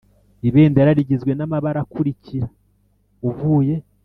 Ibendera rigizwe n’amabara akurikira: uvuye